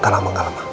gak lama gak lama